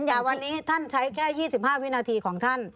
อย่าวันนี้ท่านใช้แค่๒๕วินาทีของท่าน